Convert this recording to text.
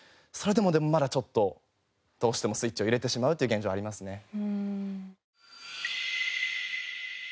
それでもでもまだちょっとどうしてもスイッチを入れてしまうっていう現状ありますね。